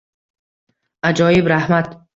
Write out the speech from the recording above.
Ajoyib, rahmat.